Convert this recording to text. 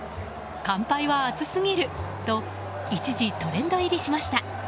「乾杯」は熱すぎると一時トレンド入りしました。